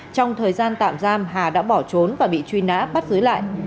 trong thời gian tạm giam hà đã bỏ trốn và bị truy nã bắt giữ lại